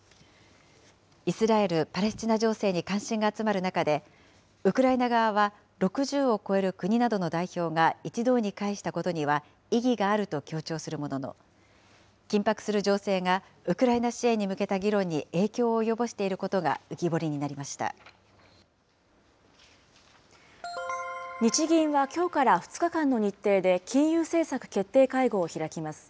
イスラエル・パレスチナ情勢に関心が集まる中で、ウクライナ側は６０を超える国などの代表が一堂に会したことには意義があると強調するものの、緊迫する情勢がウクライナ支援に向けた議論に影響を及ぼしている日銀はきょうから２日間の日程で、金融政策決定会合を開きます。